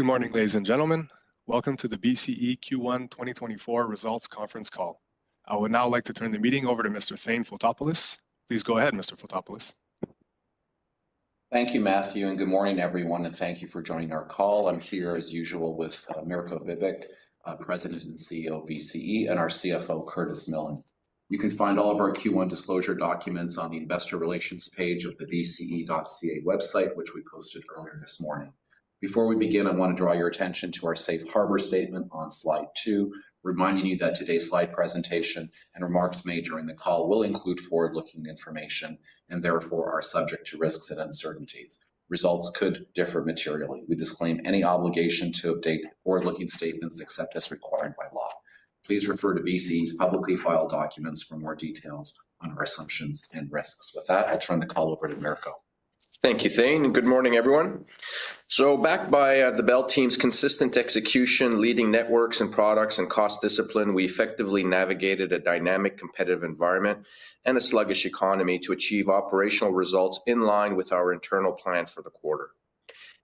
Good morning, ladies and gentlemen. Welcome to the BCE Q1 2024 Results Conference Call. I would now like to turn the meeting over to Mr. Thane Fotopoulos. Please go ahead, Mr. Fotopoulos. Thank you, Matthew, and good morning, everyone, and thank you for joining our call. I'm here, as usual, with Mirko Bibic, President and CEO of BCE, and our CFO, Curtis Millen. You can find all of our Q1 disclosure documents on the investor relations page of the BCE.ca website, which we posted earlier this morning. Before we begin, I want to draw your attention to our safe harbor statement on slide two, reminding you that today's slide presentation and remarks made during the call will include forward-looking information and therefore are subject to risks and uncertainties. Results could differ materially. We disclaim any obligation to update forward-looking statements except as required by law. Please refer to BCE's publicly filed documents for more details on our assumptions and risks. With that, I turn the call over to Mirko. Thank you, Thane, and good morning, everyone. Backed by the Bell team's consistent execution, leading networks and products, and cost discipline, we effectively navigated a dynamic, competitive environment and a sluggish economy to achieve operational results in line with our internal plan for the quarter.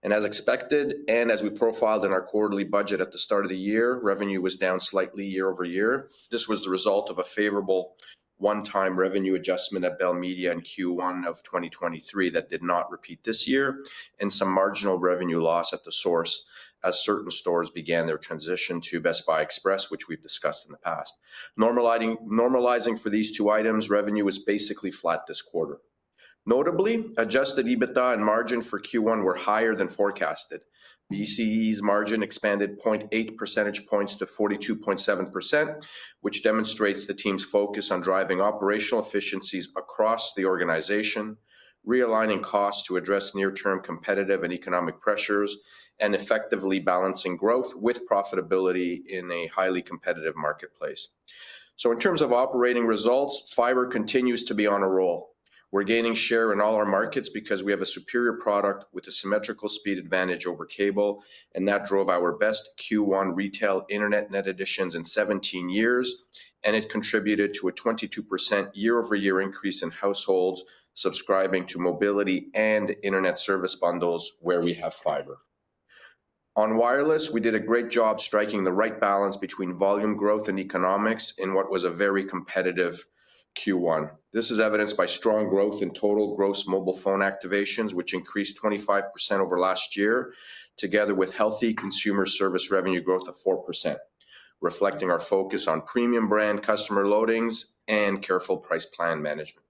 As expected, and as we profiled in our quarterly budget at the start of the year, revenue was down slightly year-over-year. This was the result of a favorable one-time revenue adjustment at Bell Media in Q1 of 2023 that did not repeat this year, and some marginal revenue loss at The Source as certain stores began their transition to Best Buy Express, which we've discussed in the past. Normalizing for these two items, revenue was basically flat this quarter. Notably, adjusted EBITDA and margin for Q1 were higher than forecasted. BCE's margin expanded 0.8 percentage points to 42.7%, which demonstrates the team's focus on driving operational efficiencies across the organization, realigning costs to address near-term competitive and economic pressures, and effectively balancing growth with profitability in a highly competitive marketplace. In terms of operating results, fiber continues to be on a roll. We're gaining share in all our markets because we have a superior product with a symmetrical speed advantage over cable, and that drove our best Q1 retail internet net additions in 17 years, and it contributed to a 22% year-over-year increase in households subscribing to mobility and internet service bundles where we have fiber. On wireless, we did a great job striking the right balance between volume growth and economics in what was a very competitive Q1. This is evidenced by strong growth in total gross mobile phone activations, which increased 25% over last year, together with healthy consumer service revenue growth of 4%, reflecting our focus on premium brand customer loadings and careful price plan management.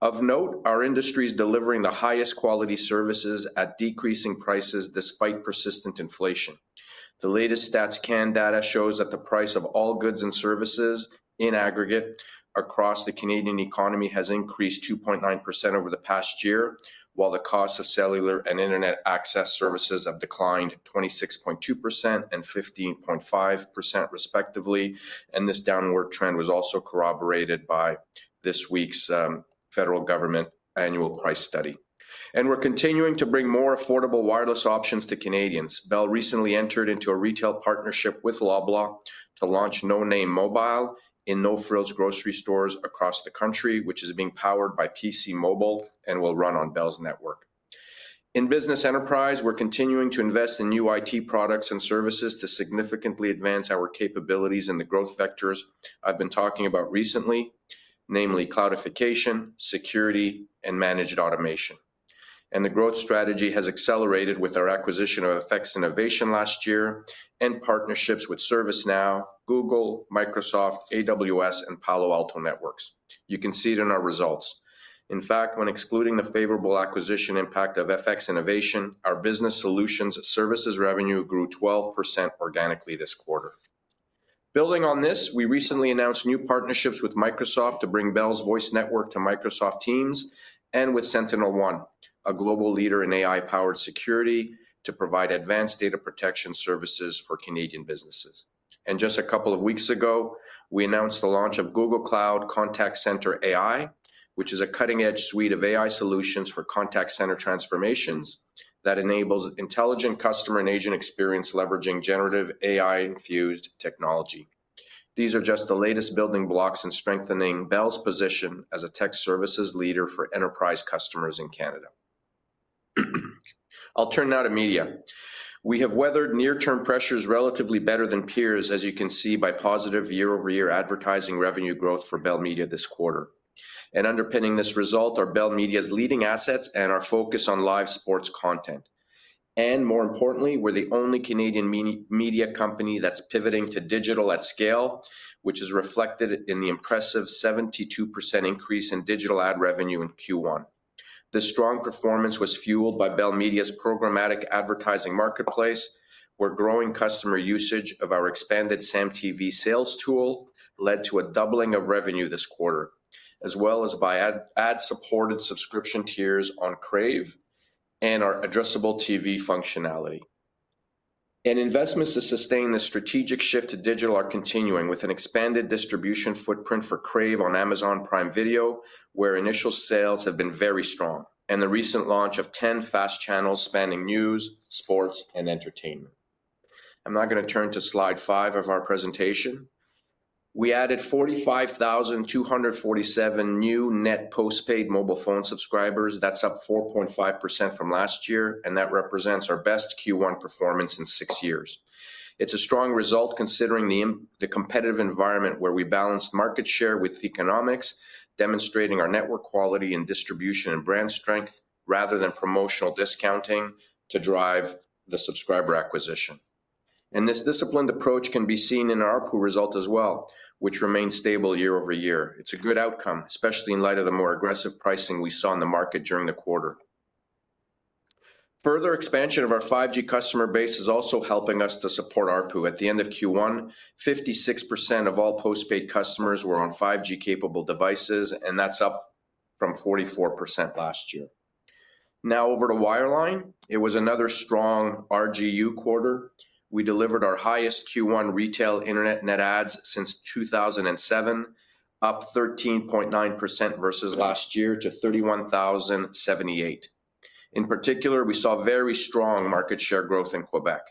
Of note, our industry is delivering the highest quality services at decreasing prices despite persistent inflation. The latest StatsCan data shows that the price of all goods and services in aggregate across the Canadian economy has increased 2.9% over the past year, while the cost of cellular and internet access services have declined 26.2% and 15.5%, respectively, and this downward trend was also corroborated by this week's federal government annual price study. We're continuing to bring more affordable wireless options to Canadians. Bell recently entered into a retail partnership with Loblaw to launch No Name Mobile in No Frills grocery stores across the country, which is being powered by PC Mobile and will run on Bell's network. In business enterprise, we're continuing to invest in new IT products and services to significantly advance our capabilities in the growth vectors I've been talking about recently, namely cloudification, security, and managed automation. The growth strategy has accelerated with our acquisition of FX Innovation last year and partnerships with ServiceNow, Google, Microsoft, AWS, and Palo Alto Networks. You can see it in our results. In fact, when excluding the favorable acquisition impact of FX Innovation, our business solutions services revenue grew 12% organically this quarter. Building on this, we recently announced new partnerships with Microsoft to bring Bell's voice network to Microsoft Teams and with SentinelOne, a global leader in AI-powered security, to provide advanced data protection services for Canadian businesses. Just a couple of weeks ago, we announced the launch of Google Cloud Contact Center AI, which is a cutting-edge suite of AI solutions for contact center transformations that enables intelligent customer and agent experience, leveraging generative AI-infused technology. These are just the latest building blocks in strengthening Bell's position as a tech services leader for enterprise customers in Canada. I'll turn now to media. We have weathered near-term pressures relatively better than peers, as you can see, by positive year-over-year advertising revenue growth for Bell Media this quarter. Underpinning this result are Bell Media's leading assets and our focus on live sports content. More importantly, we're the only Canadian media company that's pivoting to digital at scale, which is reflected in the impressive 72% increase in digital ad revenue in Q1. This strong performance was fueled by Bell Media's programmatic advertising marketplace, where growing customer usage of our expanded SAM TV sales tool led to a doubling of revenue this quarter, as well as by ad-supported subscription tiers on Crave and our addressable TV functionality. Investments to sustain the strategic shift to digital are continuing, with an expanded distribution footprint for Crave on Amazon Prime Video, where initial sales have been very strong, and the recent launch of 10 fast channels spanning news, sports, and entertainment. I'm now gonna turn to slide 5 of our presentation. We added 45,247 new net postpaid mobile phone subscribers. That's up 4.5% from last year, and that represents our best Q1 performance in 6 years. It's a strong result, considering the competitive environment where we balance market share with economics, demonstrating our network quality and distribution and brand strength rather than promotional discounting to drive the subscriber acquisition. And this disciplined approach can be seen in our ARPU result as well, which remains stable year-over-year. It's a good outcome, especially in light of the more aggressive pricing we saw in the market during the quarter. Further expansion of our 5G customer base is also helping us to support ARPU. At the end of Q1, 56% of all postpaid customers were on 5G-capable devices, and that's up from 44% last year. Now, over to wireline. It was another strong RGU quarter. We delivered our highest Q1 retail internet net adds since 2007, up 13.9% versus last year to 31,078. In particular, we saw very strong market share growth in Quebec.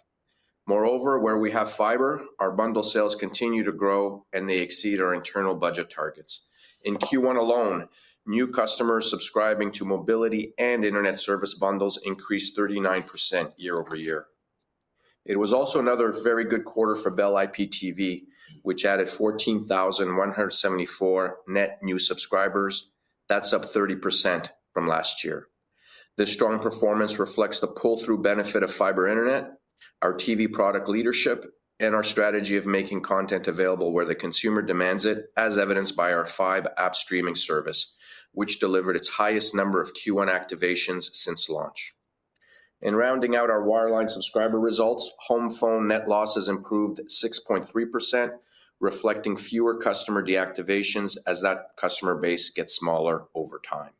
Moreover, where we have fiber, our bundle sales continue to grow, and they exceed our internal budget targets. In Q1 alone, new customers subscribing to mobility and internet service bundles increased 39% year-over-year. It was also another very good quarter for Bell IPTV, which added 14,174 net new subscribers. That's up 30% from last year. This strong performance reflects the pull-through benefit of fiber internet, our TV product leadership, and our strategy of making content available where the consumer demands it, as evidenced by our five-app streaming service, which delivered its highest number of Q1 activations since launch. In rounding out our wireline subscriber results, home phone net losses improved 6.3%, reflecting fewer customer deactivations as that customer base gets smaller over time.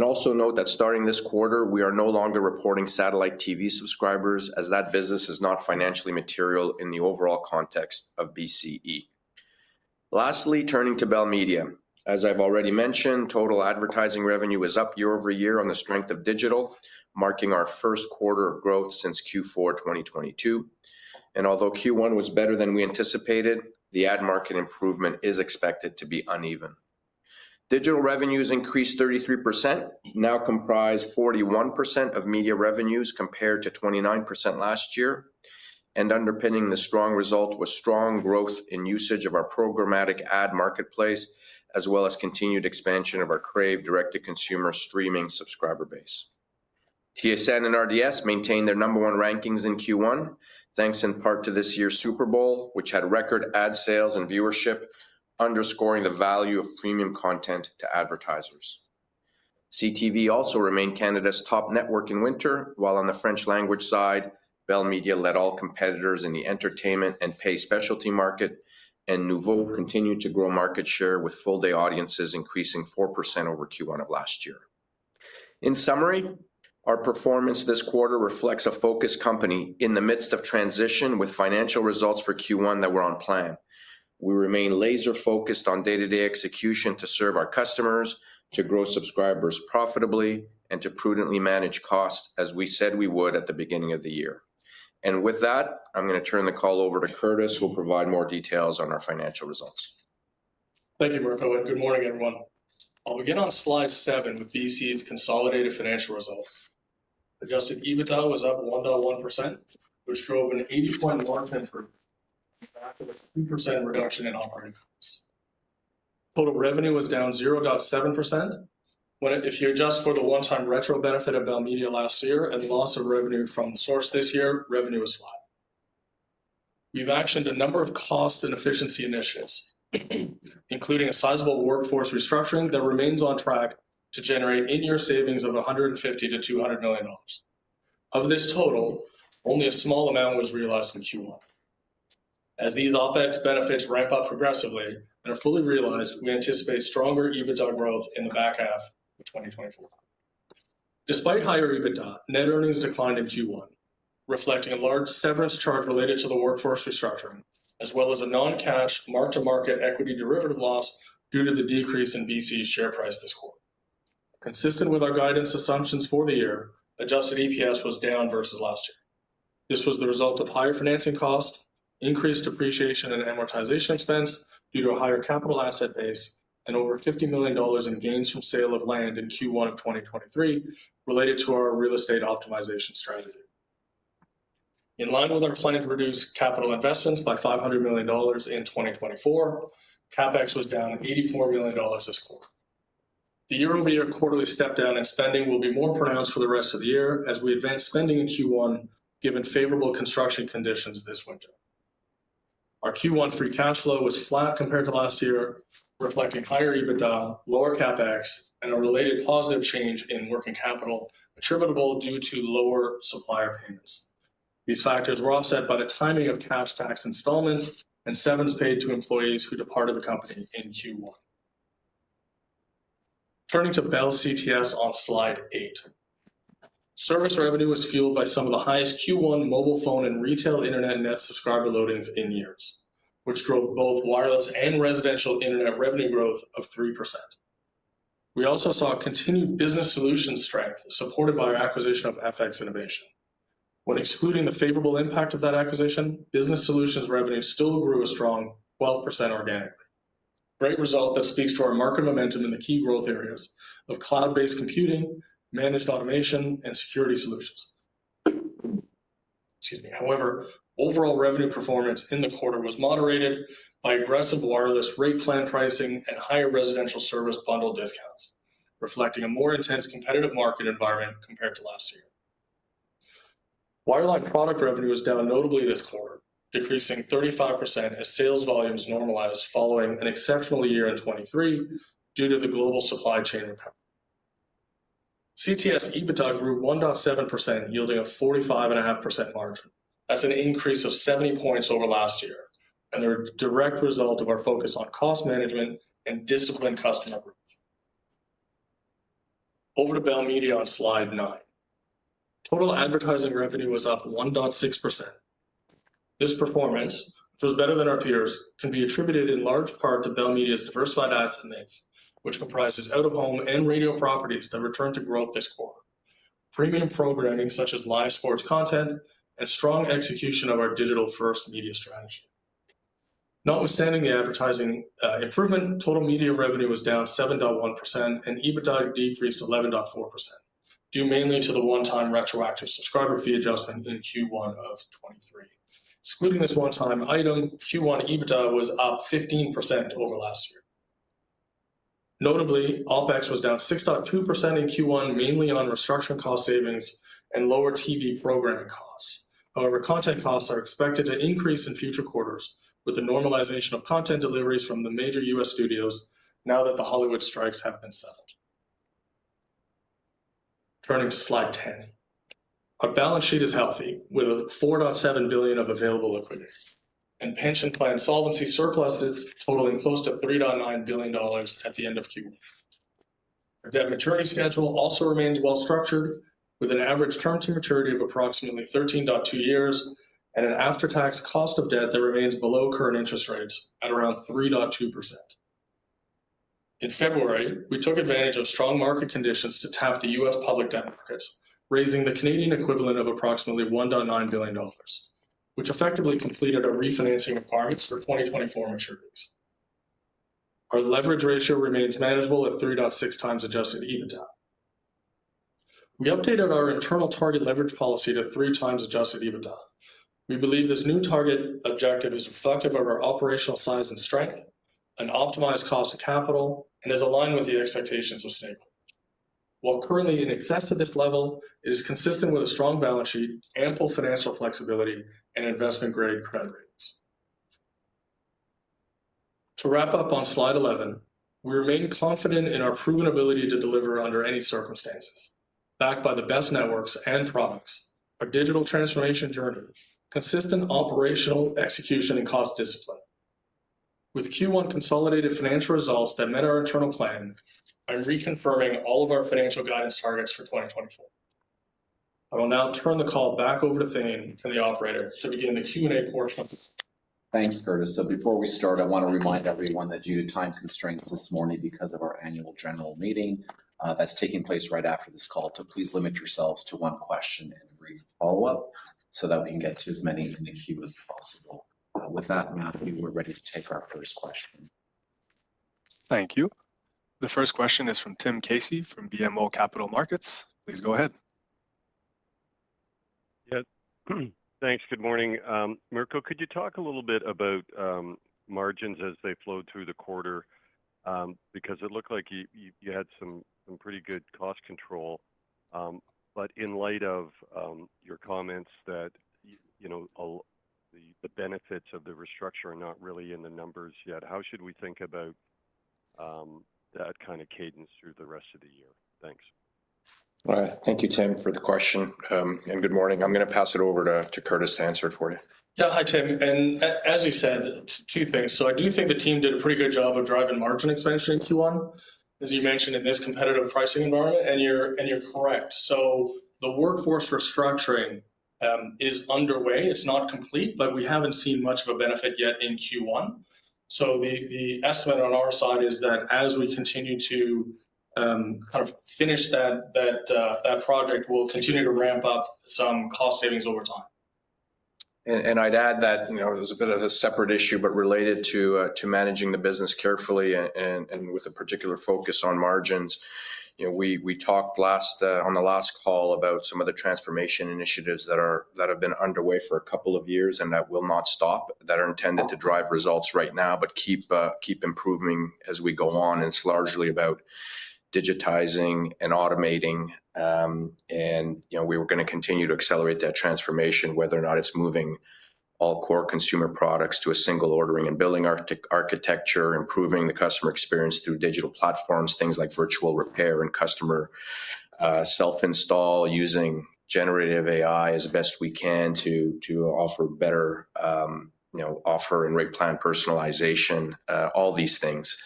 Also note that starting this quarter, we are no longer reporting satellite TV subscribers, as that business is not financially material in the overall context of BCE. Lastly, turning to Bell Media. As I've already mentioned, total advertising revenue is up year-over-year on the strength of digital, marking our first quarter of growth since Q4 2022. Although Q1 was better than we anticipated, the ad market improvement is expected to be uneven. Digital revenues increased 33%, now comprise 41% of media revenues, compared to 29% last year, and underpinning the strong result was strong growth in usage of our programmatic ad marketplace, as well as continued expansion of our Crave direct-to-consumer streaming subscriber base. TSN and RDS maintained their number one rankings in Q1, thanks in part to this year's Super Bowl, which had record ad sales and viewership, underscoring the value of premium content to advertisers. CTV also remained Canada's top network in winter, while on the French language side, Bell Media led all competitors in the entertainment and pay specialty market, and Noovo continued to grow market share, with full-day audiences increasing 4% over Q1 of last year. In summary, our performance this quarter reflects a focused company in the midst of transition with financial results for Q1 that were on plan. We remain laser-focused on day-to-day execution to serve our customers, to grow subscribers profitably, and to prudently manage costs, as we said we would at the beginning of the year. And with that, I'm gonna turn the call over to Curtis, who'll provide more details on our financial results. Thank you, Mirko, and good morning, everyone. I'll begin on slide seven with BCE's consolidated financial results. Adjusted EBITDA was up 1.1%, which drove an 80.1%, after the 2% reduction in operating costs. Total revenue was down 0.7%. If you adjust for the one-time retro benefit of Bell Media last year and loss of revenue from the source this year, revenue was flat. We've actioned a number of cost and efficiency initiatives, including a sizable workforce restructuring that remains on track to generate in-year savings of 150 million-200 million dollars. Of this total, only a small amount was realized in Q1. As these OpEx benefits ramp up progressively and are fully realized, we anticipate stronger EBITDA growth in the back half of 2024. Despite higher EBITDA, net earnings declined in Q1, reflecting a large severance charge related to the workforce restructuring, as well as a non-cash mark-to-market equity derivative loss due to the decrease in BCE's share price this quarter. Consistent with our guidance assumptions for the year, adjusted EPS was down versus last year. This was the result of higher financing costs, increased depreciation and amortization expense due to a higher capital asset base, and over 50 million dollars in gains from sale of land in Q1 of 2023, related to our real estate optimization strategy. In line with our plan to reduce capital investments by 500 million dollars in 2024, CapEx was down 84 million dollars this quarter. The year-over-year quarterly step down in spending will be more pronounced for the rest of the year as we advance spending in Q1, given favorable construction conditions this winter. Our Q1 free cash flow was flat compared to last year, reflecting higher EBITDA, lower CapEx, and a related positive change in working capital, attributable due to lower supplier payments. These factors were offset by the timing of cash tax installments and severance paid to employees who departed the company in Q1. Turning to Bell CTS on slide 8. Service revenue was fueled by some of the highest Q1 mobile phone and retail internet net subscriber loadings in years, which drove both wireless and residential internet revenue growth of 3%.... We also saw continued business solution strength, supported by our acquisition of FX Innovation. When excluding the favorable impact of that acquisition, business solutions revenue still grew a strong 12% organically. Great result that speaks to our market momentum in the key growth areas of cloud-based computing, managed automation, and security solutions. Excuse me. However, overall revenue performance in the quarter was moderated by aggressive wireless rate plan pricing and higher residential service bundle discounts, reflecting a more intense competitive market environment compared to last year. Wireline product revenue was down notably this quarter, decreasing 35% as sales volumes normalized following an exceptional year in 2023, due to the global supply chain recovery. CTS EBITDA grew 1.7%, yielding a 45.5% margin. That's an increase of 70 points over last year, and they're a direct result of our focus on cost management and disciplined customer growth. Over to Bell Media on slide 9. Total advertising revenue was up 1.6%. This performance, which was better than our peers, can be attributed in large part to Bell Media's diversified asset mix, which comprises out-of-home and radio properties that returned to growth this quarter. Premium programming, such as live sports content and strong execution of our digital-first media strategy. Notwithstanding the advertising improvement, total media revenue was down 7.1%, and EBITDA decreased 11.4%, due mainly to the one-time retroactive subscriber fee adjustment in Q1 of 2023. Excluding this one-time item, Q1 EBITDA was up 15% over last year. Notably, OpEx was down 6.2% in Q1, mainly on restructuring cost savings and lower TV programming costs. However, content costs are expected to increase in future quarters with the normalization of content deliveries from the major U.S. studios now that the Hollywood strikes have been settled. Turning to slide 10. Our balance sheet is healthy, with 4.7 billion of available liquidity and pension plan solvency surpluses totaling close to 3.9 billion dollars at the end of Q1. Our debt maturity schedule also remains well structured, with an average term to maturity of approximately 13.2 years and an after-tax cost of debt that remains below current interest rates at around 3.2%. In February, we took advantage of strong market conditions to tap the US public debt markets, raising the Canadian equivalent of approximately $1.9 billion, which effectively completed our refinancing requirements for 2024 maturities. Our leverage ratio remains manageable at 3.6x adjusted EBITDA. We updated our internal target leverage policy to 3x adjusted EBITDA. We believe this new target objective is reflective of our operational size and strength, an optimized cost of capital, and is aligned with the expectations of stable. While currently in excess of this level, it is consistent with a strong balance sheet, ample financial flexibility, and investment-grade credit rates. To wrap up on slide 11, we remain confident in our proven ability to deliver under any circumstances, backed by the best networks and products, our digital transformation journey, consistent operational execution and cost discipline. With Q1 consolidated financial results that met our internal plan, I'm reconfirming all of our financial guidance targets for 2024. I will now turn the call back over to Thane and to the operator to begin the Q&A portion. Thanks, Curtis. So before we start, I want to remind everyone that due to time constraints this morning because of our annual general meeting, that's taking place right after this call, to please limit yourselves to one question and a brief follow-up so that we can get to as many in the queue as possible. With that, Matthew, we're ready to take our first question. Thank you. The first question is from Tim Casey from BMO Capital Markets. Please go ahead. Yeah. Thanks. Good morning. Mirko, could you talk a little bit about margins as they flowed through the quarter? Because it looked like you had some pretty good cost control, but in light of your comments that you know, the benefits of the restructure are not really in the numbers yet, how should we think about that kind of cadence through the rest of the year? Thanks. Thank you, Tim, for the question, and good morning. I'm gonna pass it over to Curtis to answer it for you. Yeah. Hi, Tim. As you said, two things: So I do think the team did a pretty good job of driving margin expansion in Q1, as you mentioned, in this competitive pricing environment, and you're correct. So the workforce restructuring is underway. It's not complete, but we haven't seen much of a benefit yet in Q1. So the estimate on our side is that as we continue to kind of finish that project, we'll continue to ramp up some cost savings over time. I'd add that, you know, as a bit of a separate issue, but related to managing the business carefully and with a particular focus on margins. You know, we talked last on the last call about some of the transformation initiatives that have been underway for a couple of years and that will not stop, that are intended to drive results right now, but keep improving as we go on. It's largely about digitizing and automating, you know, we were gonna continue to accelerate that transformation, whether or not it's moving all core consumer products to a single ordering and building architecture, improving the customer experience through digital platforms, things like virtual repair and customer self-install, using generative AI as best we can to offer better, you know, offer and rate plan personalization, all these things.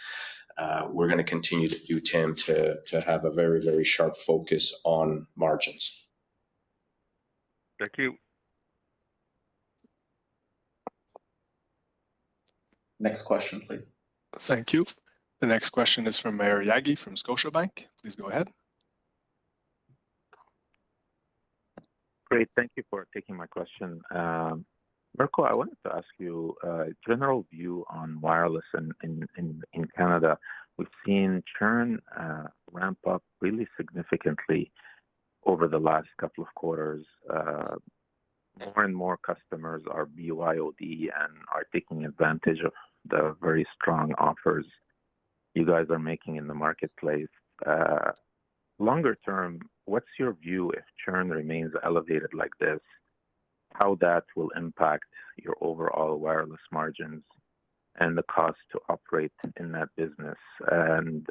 We're gonna continue to do, Tim, to have a very, very sharp focus on margins. Thank you. ... Next question, please. Thank you. The next question is from Maher Yaghi from Scotiabank. Please go ahead. Great. Thank you for taking my question. Mirko, I wanted to ask you, general view on wireless in Canada. We've seen churn ramp up really significantly over the last couple of quarters. More and more customers are BYOD and are taking advantage of the very strong offers you guys are making in the marketplace. Longer term, what's your view if churn remains elevated like this, how that will impact your overall wireless margins and the cost to operate in that business? And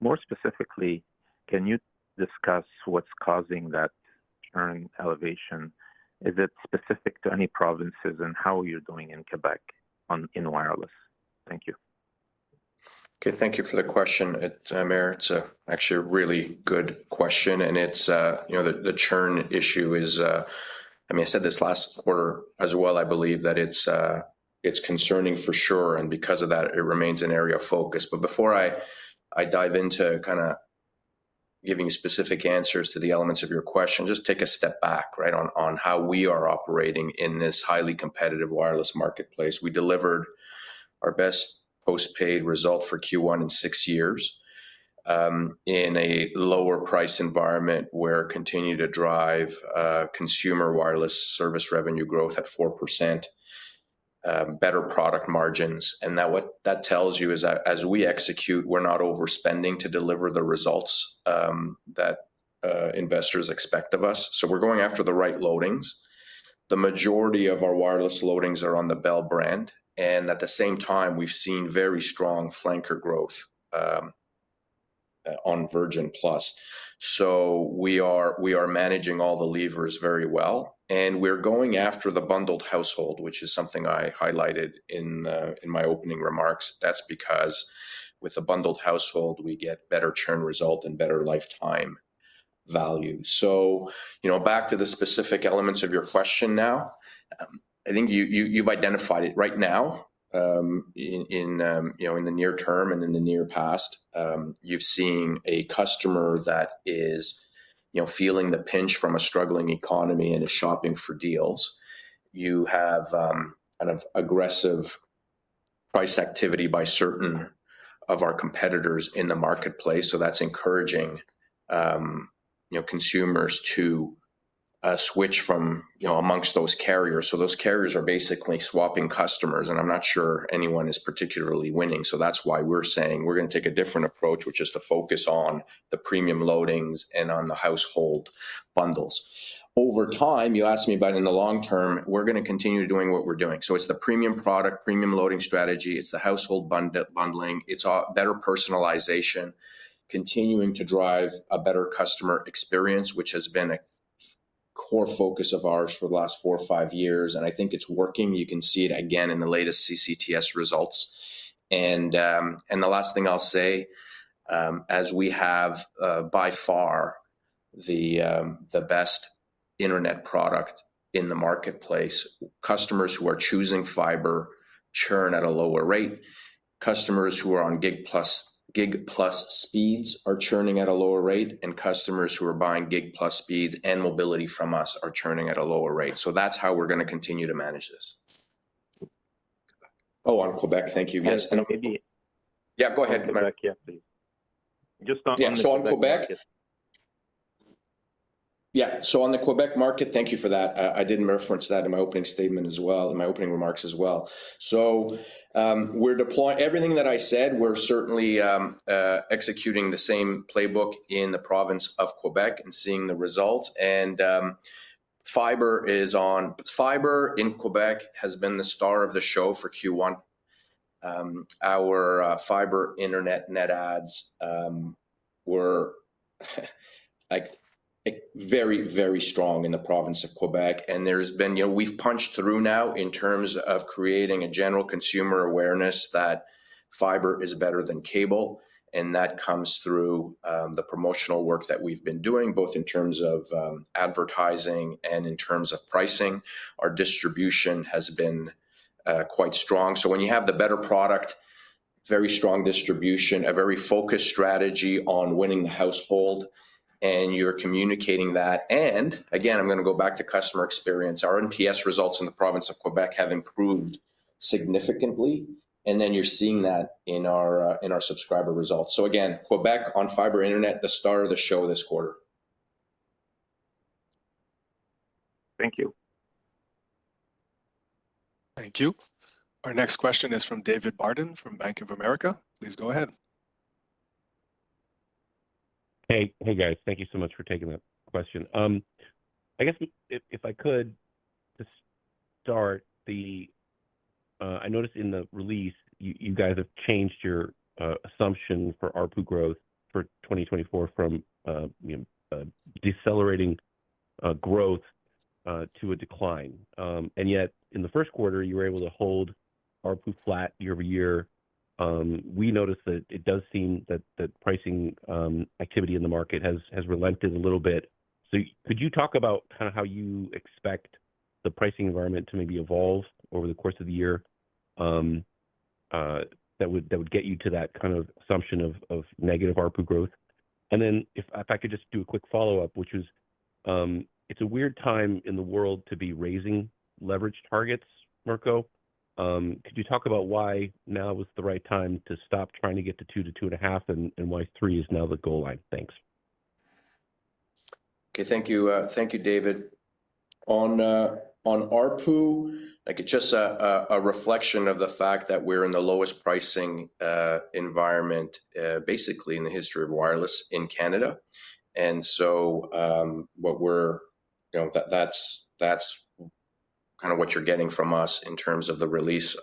more specifically, can you discuss what's causing that churn elevation? Is it specific to any provinces, and how are you doing in Quebec on wireless? Thank you. Okay, thank you for the question, Maher. It's actually a really good question, and it's, you know, the churn issue is... I mean, I said this last quarter as well, I believe that it's concerning for sure, and because of that, it remains an area of focus. But before I dive into kinda giving specific answers to the elements of your question, just take a step back, right, on how we are operating in this highly competitive wireless marketplace. We delivered our best postpaid result for Q1 in six years, in a lower price environment, where we continue to drive consumer wireless service revenue growth at 4%, better product margins. And that tells you is that as we execute, we're not overspending to deliver the results that investors expect of us. So we're going after the right loadings. The majority of our wireless loadings are on the Bell brand, and at the same time, we've seen very strong flanker growth on Virgin Plus. So we are managing all the levers very well, and we're going after the bundled household, which is something I highlighted in my opening remarks. That's because with a bundled household, we get better churn result and better lifetime value. So, you know, back to the specific elements of your question now, I think you've identified it. Right now, you know, in the near term and in the near past, you've seen a customer that is, you know, feeling the pinch from a struggling economy and is shopping for deals. You have an aggressive price activity by certain of our competitors in the marketplace, so that's encouraging, you know, consumers to switch from, you know, amongst those carriers. So those carriers are basically swapping customers, and I'm not sure anyone is particularly winning. So that's why we're saying we're gonna take a different approach, which is to focus on the premium loadings and on the household bundles. Over time, you asked me about in the long term, we're gonna continue doing what we're doing. So it's the premium product, premium loading strategy, it's the household bundling, it's better personalization, continuing to drive a better customer experience, which has been a core focus of ours for the last four or five years, and I think it's working. You can see it again in the latest CCTS results. The last thing I'll say, as we have by far the best internet product in the marketplace, customers who are choosing fiber churn at a lower rate, customers who are on gig plus, gig plus speeds are churning at a lower rate, and customers who are buying gig plus speeds and mobility from us are churning at a lower rate. So that's how we're gonna continue to manage this. Quebec. Oh, on Québec. Thank you. Yes- And maybe- Yeah, go ahead. Quebec, yeah, please. Just on- Yeah, so on Quebec- The Quebec market. Yeah, so on the Quebec market, thank you for that. I did reference that in my opening statement as well, in my opening remarks as well. So, everything that I said, we're certainly executing the same playbook in the province of Quebec and seeing the results. Fiber in Quebec has been the star of the show for Q1. Our fiber internet net adds were, like, very, very strong in the province of Quebec, and you know, we've punched through now in terms of creating a general consumer awareness that fiber is better than cable, and that comes through the promotional work that we've been doing, both in terms of advertising and in terms of pricing. Our distribution has been quite strong. So when you have the better product, very strong distribution, a very focused strategy on winning the household, and you're communicating that, and again, I'm gonna go back to customer experience, our NPS results in the province of Quebec have improved significantly, and then you're seeing that in our, in our subscriber results. So again, Quebec, on fiber internet, the star of the show this quarter. Thank you. Thank you. Our next question is from David Barden, from Bank of America. Please go ahead. Hey, hey, guys. Thank you so much for taking the question. I guess if I could just start, I noticed in the release, you guys have changed your assumption for ARPU growth for 2024 from, you know, decelerating growth to a decline. And yet, in the first quarter, you were able to hold ARPU flat year-over-year. We noticed that it does seem that pricing activity in the market has relented a little bit. So could you talk about kind of how you expect the pricing environment to maybe evolve over the course of the year, that would get you to that kind of assumption of negative ARPU growth? And then if I could just do a quick follow-up, which is, it's a weird time in the world to be raising leverage targets, Mirko. Could you talk about why now is the right time to stop trying to get to 2-2.5, and why 3 is now the goal line? Thanks. Okay, thank you, thank you, David. On, on ARPU, like just a reflection of the fact that we're in the lowest pricing environment, basically in the history of wireless in Canada. And so, what we're... You know, that's kind of what you're getting from us in terms of the release,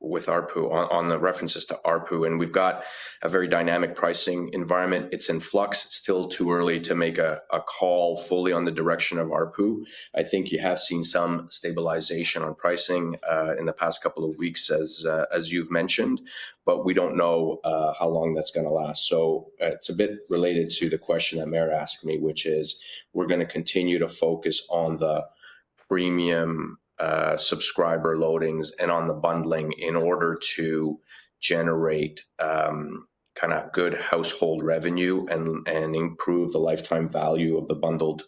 with ARPU, on, on the references to ARPU. And we've got a very dynamic pricing environment. It's in flux. It's still too early to make a call fully on the direction of ARPU. I think you have seen some stabilization on pricing, in the past couple of weeks as, as you've mentioned, but we don't know how long that's gonna last. So it's a bit related to the question that Meir asked me, which is, we're gonna continue to focus on the premium subscriber loadings and on the bundling in order to generate kinda good household revenue and improve the lifetime value of the bundled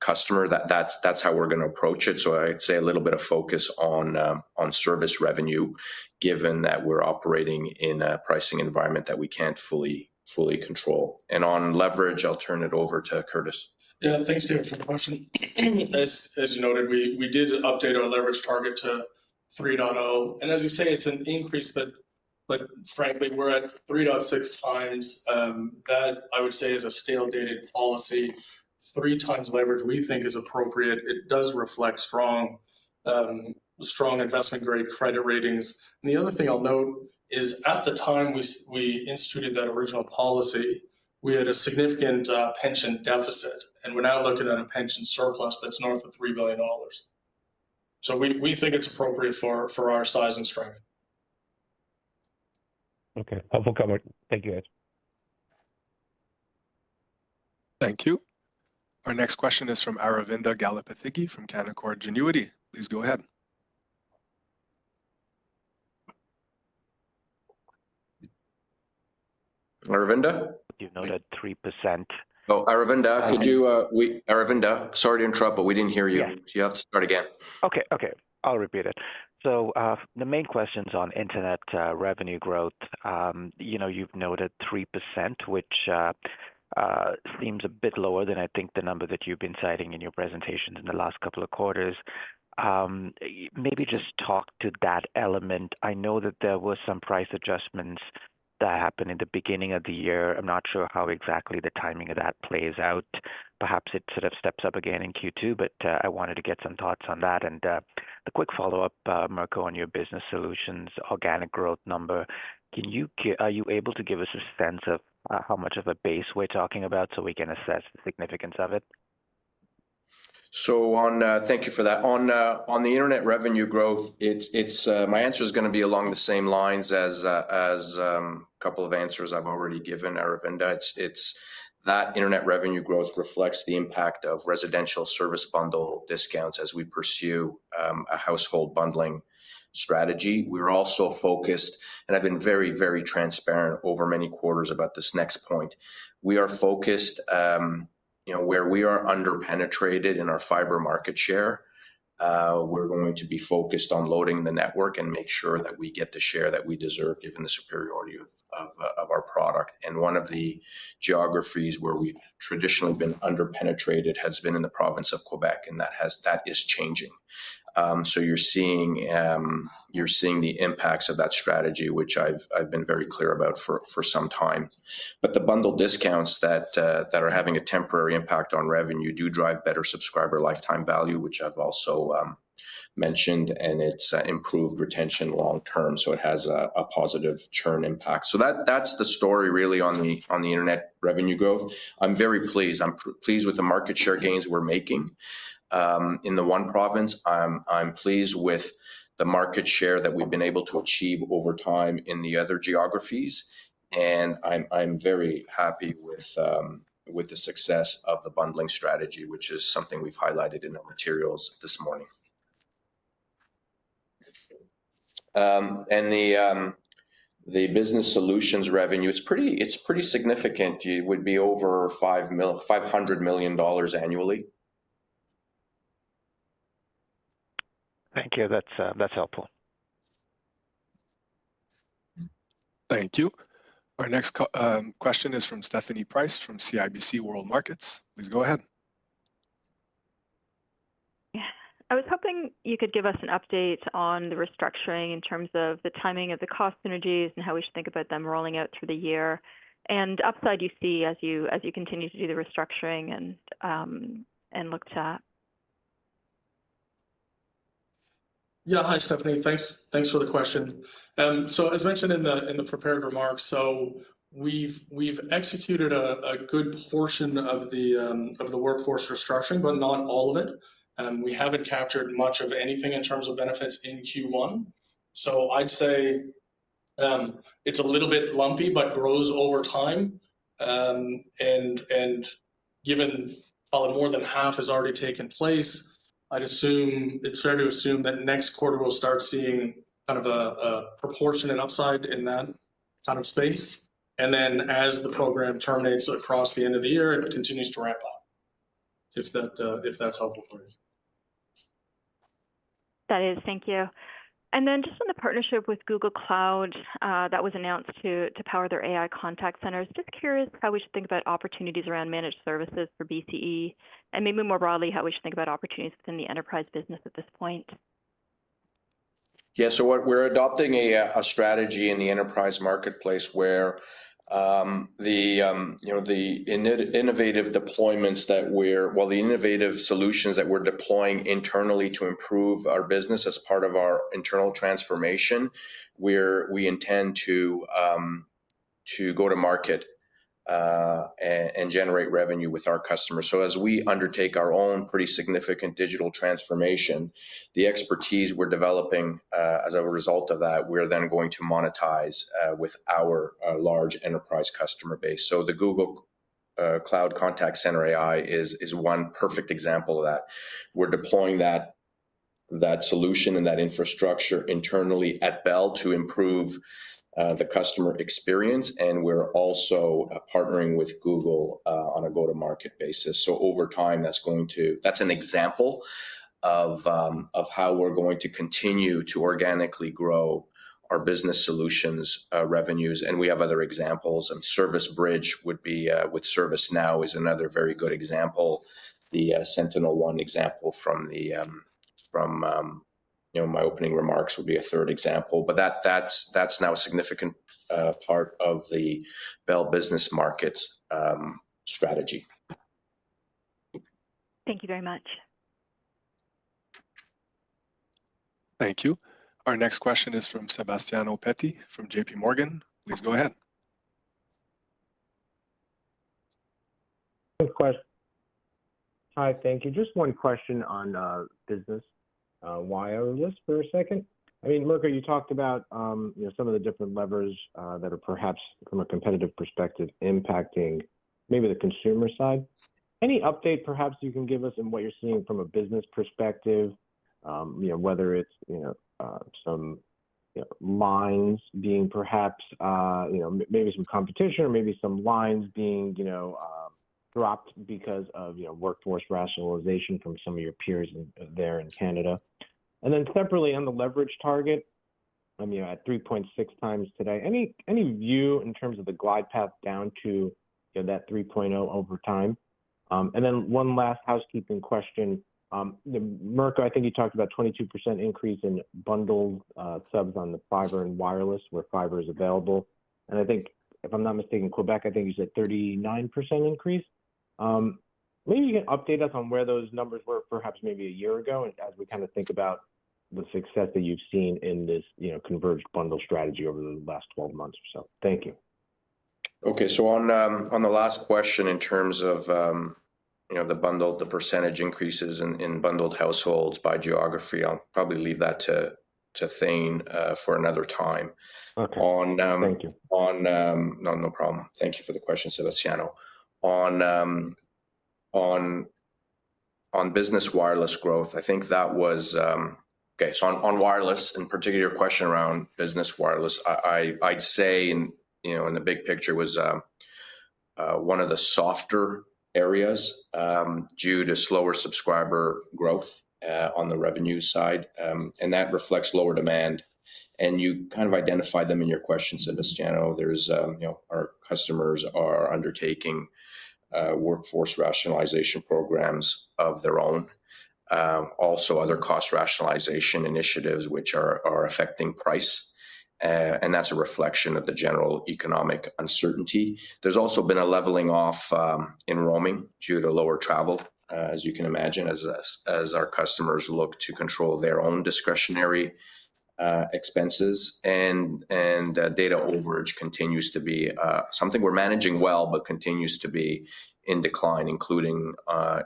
customer. That's how we're gonna approach it. So I'd say a little bit of focus on service revenue, given that we're operating in a pricing environment that we can't fully control. And on leverage, I'll turn it over to Curtis. Yeah, thanks, David, for the question. As you noted, we did update our leverage target to 3.0. And as you say, it's an increase, but frankly, we're at 3.6 times. That, I would say, is a stale-dated policy. 3 times leverage, we think, is appropriate. It does reflect strong, strong investment-grade credit ratings. And the other thing I'll note is, at the time we instituted that original policy, we had a significant pension deficit, and we're now looking at a pension surplus that's north of $3 billion. So we think it's appropriate for our size and strength. Okay. Helpful comment. Thank you, guys. Thank you. Our next question is from Aravinda Galappaththi from Canaccord Genuity. Please go ahead. Aravinda? You noted 3%. Oh, Aravinda, could you... Aravinda, sorry to interrupt, but we didn't hear you. Yeah. You'll have to start again. Okay, okay, I'll repeat it. So, the main question's on internet revenue growth. You know, you've noted 3%, which seems a bit lower than I think the number that you've been citing in your presentations in the last couple of quarters. Maybe just talk to that element. I know that there were some price adjustments that happened in the beginning of the year. I'm not sure how exactly the timing of that plays out. Perhaps it sort of steps up again in Q2, but I wanted to get some thoughts on that. And, the quick follow-up, Mirko, on your business solutions organic growth number, are you able to give us a sense of how much of a base we're talking about so we can assess the significance of it? So on... Thank you for that. On the internet revenue growth, it's my answer is gonna be along the same lines as a couple of answers I've already given, Aravinda. It's... That internet revenue growth reflects the impact of residential service bundle discounts as we pursue a household bundling strategy. We're also focused, and I've been very, very transparent over many quarters about this next point. We are focused, you know, where we are under-penetrated in our fiber market share, we're going to be focused on loading the network and make sure that we get the share that we deserve, given the superiority of our product. And one of the geographies where we've traditionally been under-penetrated has been in the province of Quebec, and that is changing. So you're seeing, you're seeing the impacts of that strategy, which I've been very clear about for some time. But the bundle discounts that, that are having a temporary impact on revenue do drive better subscriber lifetime value, which I've also mentioned, and it's improved retention long term, so it has a positive churn impact. So that's the story really on the internet revenue growth. I'm very pleased. I'm pleased with the market share gains we're making in the one province. I'm pleased with the market share that we've been able to achieve over time in the other geographies, and I'm very happy with the success of the bundling strategy, which is something we've highlighted in our materials this morning. And the business solutions revenue, it's pretty significant. It would be over 500 million dollars annually. Thank you. That's, that's helpful. Thank you. Our next question is from Stephanie Price, from CIBC World Markets. Please go ahead. I was hoping you could give us an update on the restructuring in terms of the timing of the cost synergies and how we should think about them rolling out through the year, and upside you see as you, as you continue to do the restructuring and, and look to that. Yeah. Hi, Stephanie. Thanks, thanks for the question. So as mentioned in the prepared remarks, we've executed a good portion of the workforce restructuring, but not all of it. We haven't captured much of anything in terms of benefits in Q1. So I'd say it's a little bit lumpy, but grows over time. And given how more than half has already taken place, I'd assume it's fair to assume that next quarter, we'll start seeing kind of a proportionate upside in that kind of space, and then as the program terminates across the end of the year, it continues to ramp up, if that's helpful for you. That is. Thank you. And then just on the partnership with Google Cloud, that was announced to power their AI contact centers, just curious how we should think about opportunities around managed services for BCE, and maybe more broadly, how we should think about opportunities within the enterprise business at this point? Yeah. So what... We're adopting a strategy in the enterprise marketplace where you know the innovative deployments that we're... Well, the innovative solutions that we're deploying internally to improve our business as part of our internal transformation, we intend to go to market and generate revenue with our customers. So as we undertake our own pretty significant digital transformation, the expertise we're developing as a result of that, we're then going to monetize with our large enterprise customer base. So the Google Cloud Contact Center AI is one perfect example of that. We're deploying that solution and that infrastructure internally at Bell to improve the customer experience, and we're also partnering with Google on a go-to-market basis. So over time, that's going to... That's an example of how we're going to continue to organically grow our business solutions revenues, and we have other examples. Service Bridge would be with ServiceNow is another very good example. The SentinelOne example from the you know, my opening remarks would be a third example, but that's now a significant part of the Bell business market strategy. Thank you very much. Thank you. Our next question is from Sebastiano Petti from J.P. Morgan. Please go ahead. Hi, thank you. Just one question on business wireless for a second. I mean, look, you talked about, you know, some of the different levers that are perhaps from a competitive perspective, impacting maybe the consumer side. Any update, perhaps you can give us on what you're seeing from a business perspective, you know, whether it's, you know, some, you know, lines being perhaps, you know, maybe some competition or maybe some lines being, you know, dropped because of, you know, workforce rationalization from some of your peers in there in Canada? And then separately, on the leverage target, I mean, at 3.6x today, any view in terms of the glide path down to, you know, that 3.0, over time? And then one last housekeeping question. Mirko, I think you talked about 22% increase in bundled subs on the fiber and wireless, where fiber is available, and I think, if I'm not mistaken, Quebec, I think you said 39% increase. Maybe you can update us on where those numbers were, perhaps maybe a year ago, and as we kind of think about the success that you've seen in this, you know, converged bundle strategy over the last 12 months or so. Thank you. Okay. So on the last question, in terms of, you know, the bundled, the percentage increases in bundled households by geography, I'll probably leave that to Thane for another time. Okay. Thank you. No, no problem. Thank you for the question, Sebastiano. On business wireless growth, I think that was... Okay, so on wireless, in particular, your question around business wireless, I'd say, and, you know, in the big picture was one of the softer areas due to slower subscriber growth on the revenue side, and that reflects lower demand, and you kind of identified them in your question, Sebastiano. There's, you know, our customers are undertaking workforce rationalization programs of their own, also other cost rationalization initiatives, which are affecting price, and that's a reflection of the general economic uncertainty. There's also been a leveling off in roaming due to lower travel, as you can imagine, as our customers look to control their own discretionary expenses, and data overage continues to be something we're managing well but continues to be in decline, including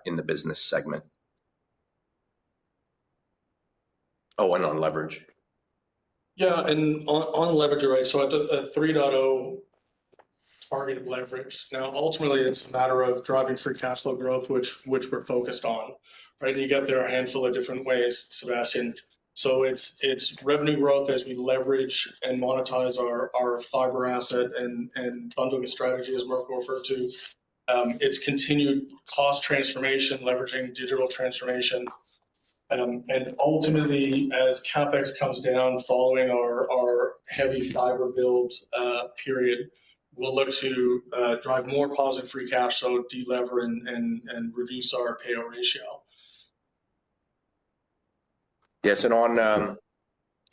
in the business segment. Oh, and on leverage. Yeah, and on leverage, right. So at the 3.0 targeted leverage, now, ultimately, it's a matter of driving free cash flow growth, which we're focused on, right? You get there a handful of different ways, Sebastiano. So it's revenue growth as we leverage and monetize our fiber asset and bundling strategy, as Mirko referred to. It's continued cost transformation, leveraging digital transformation. And ultimately, as CapEx comes down, following our heavy fiber build period, we'll look to drive more positive free cash flow, de-lever, and reduce our payout ratio. Yes, and on,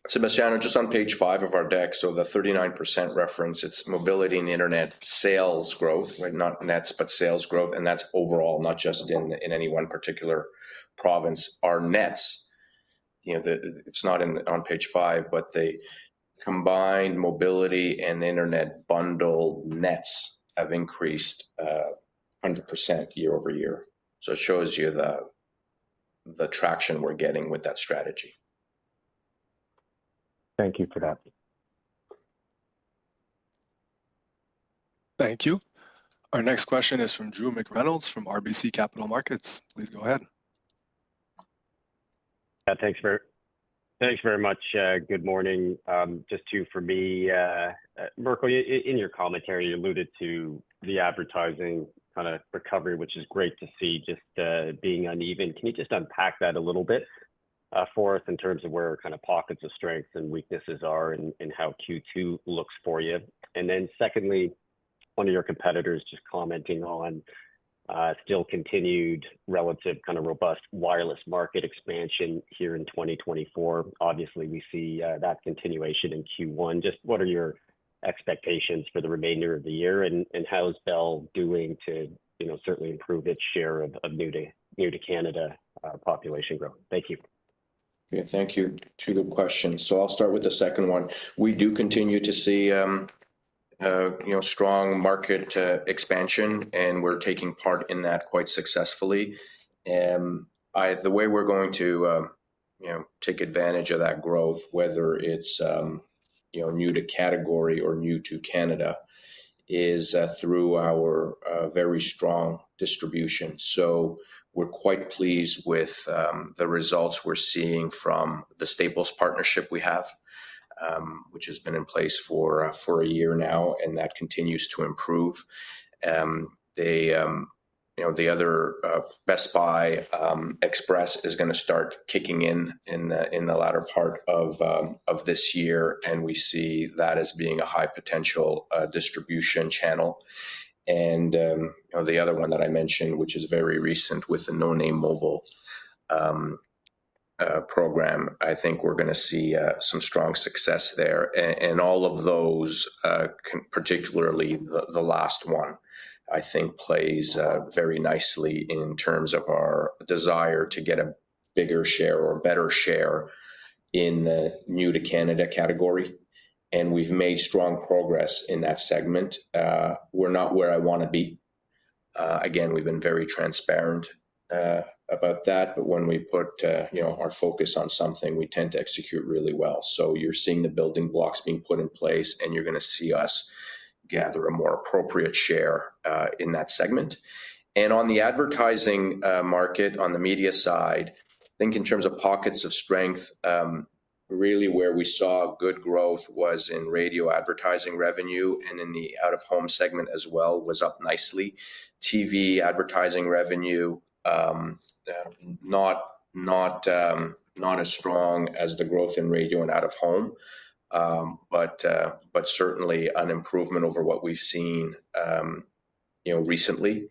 Sebastiano, just on page 5 of our deck, so the 39% reference, it's mobility and internet sales growth, right? Not nets, but sales growth, and that's overall, not just in any one particular province. Our nets, you know, the, it's not in, on page 5, but the combined mobility and internet bundle nets have increased, 100% year-over-year. So it shows you the traction we're getting with that strategy. Thank you for that. Thank you. Our next question is from Drew McReynolds from RBC Capital Markets. Please go ahead. Yeah, thanks very, thanks very much. Good morning. Just two for me, Mirko, in your commentary, you alluded to the advertising kinda recovery, which is great to see just being uneven. Can you just unpack that a little bit for us in terms of where kinda pockets of strengths and weaknesses are and how Q2 looks for you? And then secondly, one of your competitors just commenting on still continued relative kinda robust wireless market expansion here in 2024. Obviously, we see that continuation in Q1. Just what are your expectations for the remainder of the year, and how is Bell doing to you know certainly improve its share of new to Canada population growth? Thank you. Yeah, thank you. Two good questions. So I'll start with the second one. We do continue to see, you know, strong market expansion, and we're taking part in that quite successfully. The way we're going to, you know, take advantage of that growth, whether it's, you know, new to category or new to Canada, is, through our, very strong distribution. So we're quite pleased with the results we're seeing from the Staples partnership we have, which has been in place for a year now, and that continues to improve. The, you know, the other, Best Buy, Express is gonna start kicking in, in the, in the latter part of, of this year, and we see that as being a high potential, distribution channel. You know, the other one that I mentioned, which is very recent with the No Name Mobile program, I think we're gonna see some strong success there. And all of those, particularly the last one, I think plays very nicely in terms of our desire to get a bigger share or a better share in the new to Canada category, and we've made strong progress in that segment. We're not where I wanna be. Again, we've been very transparent about that, but when we put you know, our focus on something, we tend to execute really well. So you're seeing the building blocks being put in place, and you're gonna see us gather a more appropriate share in that segment. And on the advertising market, on the media side, I think in terms of pockets of strength, really where we saw good growth was in radio advertising revenue, and in the out-of-home segment as well, was up nicely. TV advertising revenue, not as strong as the growth in radio and out of home, but certainly an improvement over what we've seen, you know, recently.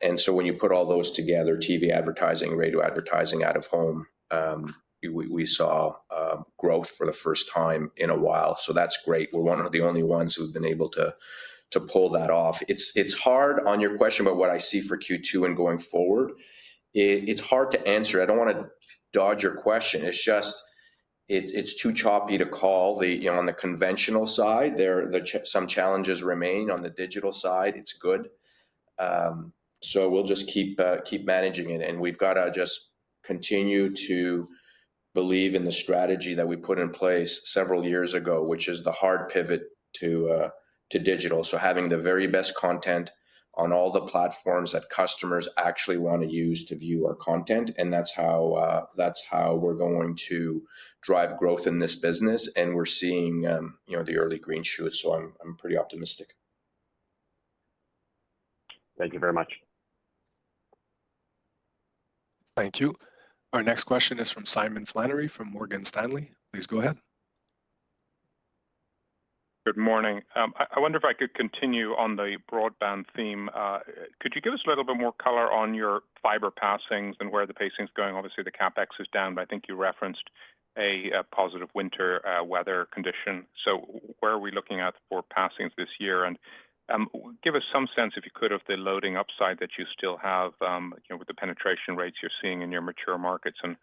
And so when you put all those together, TV advertising, radio advertising, out of home, we saw growth for the first time in a while. So that's great. We're one of the only ones who've been able to pull that off. It's hard on your question about what I see for Q2 and going forward. It's hard to answer. I don't wanna dodge your question. It's just... It's too choppy to call, you know, on the conventional side, there are some challenges remain. On the digital side, it's good. So we'll just keep managing it, and we've gotta just continue to believe in the strategy that we put in place several years ago, which is the hard pivot to digital. So having the very best content on all the platforms that customers actually wanna use to view our content, and that's how we're going to drive growth in this business, and we're seeing, you know, the early green shoots, so I'm pretty optimistic. Thank you very much. Thank you. Our next question is from Simon Flannery, from Morgan Stanley. Please go ahead. Good morning. I wonder if I could continue on the broadband theme. Could you give us a little bit more color on your fiber passings and where the pacing is going? Obviously, the CapEx is down, but I think you referenced a positive winter weather condition. So where are we looking at for passings this year? And give us some sense, if you could, of the loading upside that you still have, you know, with the penetration rates you're seeing in your mature markets and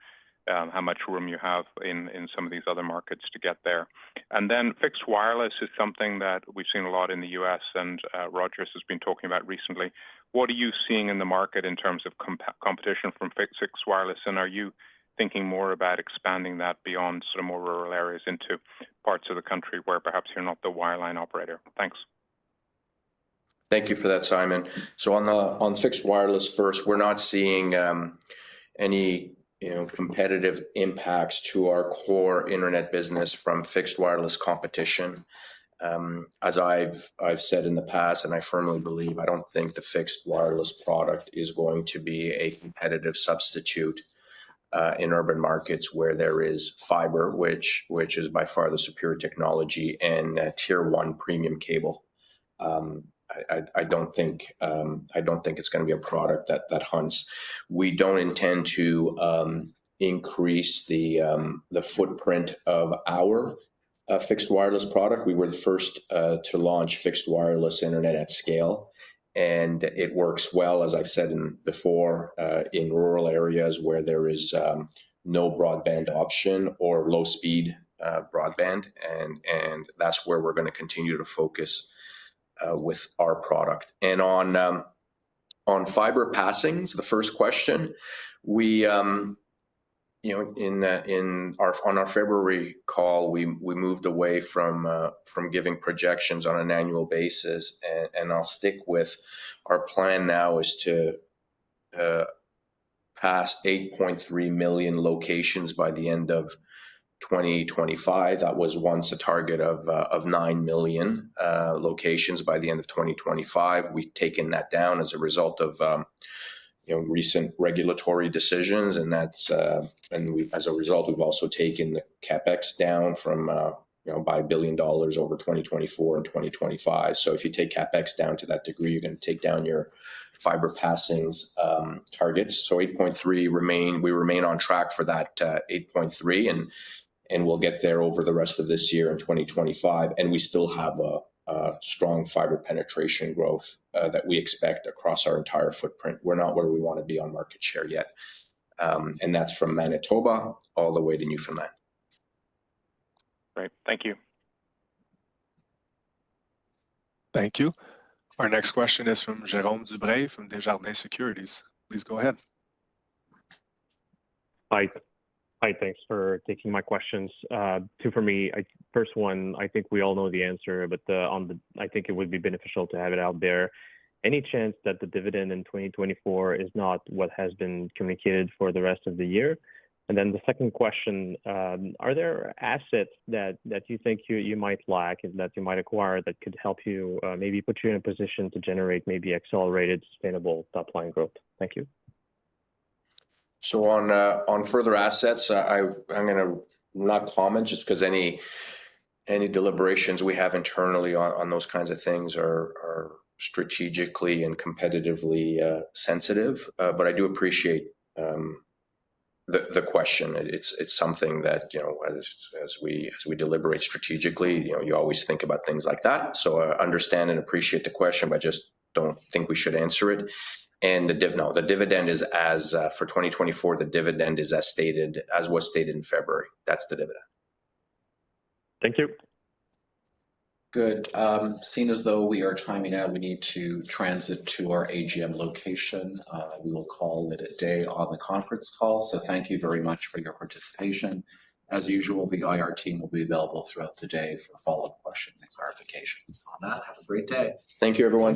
how much room you have in some of these other markets to get there. And then fixed wireless is something that we've seen a lot in the U.S., and Rogers has been talking about recently. What are you seeing in the market in terms of competition from fixed wireless, and are you thinking more about expanding that beyond sort of more rural areas into parts of the country where perhaps you're not the wireline operator? Thanks. Thank you for that, Simon. So on fixed wireless first, we're not seeing any, you know, competitive impacts to our core internet business from fixed wireless competition. As I've said in the past, and I firmly believe, I don't think the fixed wireless product is going to be a competitive substitute in urban markets where there is fiber, which is by far the superior technology and tier one premium cable. I don't think it's gonna be a product that hunts. We don't intend to increase the footprint of our fixed wireless product. We were the first to launch fixed wireless internet at scale, and it works well, as I've said before, in rural areas where there is no broadband option or low-speed broadband, and that's where we're gonna continue to focus with our product. And on fiber passings, the first question, you know, in our February call, we moved away from giving projections on an annual basis. And I'll stick with our plan now is to pass 8.3 million locations by the end of 2025. That was once a target of 9 million locations by the end of 2025. We've taken that down as a result of recent regulatory decisions, and that's... As a result, we've also taken the CapEx down from, you know, by 1 billion dollars over 2024 and 2025. So if you take CapEx down to that degree, you're gonna take down your fiber passings targets. So 8.3 remain. We remain on track for that, 8.3, and we'll get there over the rest of this year in 2025, and we still have a strong fiber penetration growth that we expect across our entire footprint. We're not where we want to be on market share yet. And that's from Manitoba all the way to Newfoundland. Great. Thank you. Thank you. Our next question is from Jérome Dubreuil from Desjardins Securities. Please go ahead. Hi. Hi, thanks for taking my questions. Two for me. First one, I think we all know the answer, but on the... I think it would be beneficial to have it out there. Any chance that the dividend in 2024 is not what has been communicated for the rest of the year? And then the second question: Are there assets that you think you might lack and that you might acquire that could help you, maybe put you in a position to generate maybe accelerated, sustainable top-line growth? Thank you. On further assets, I'm gonna not comment, just 'cause any deliberations we have internally on those kinds of things are strategically and competitively sensitive. But I do appreciate the question. It's something that, you know, as we deliberate strategically, you know, you always think about things like that. So I understand and appreciate the question, but just don't think we should answer it. The dividend is as for 2024, the dividend is as stated, as was stated in February. That's the dividend. Thank you. Good. Seeing as though we are timing out, we need to transit to our AGM location. We will call it a day on the conference call. So thank you very much for your participation. As usual, the IR team will be available throughout the day for follow-up questions and clarifications. On that, have a great day. Thank you, everyone.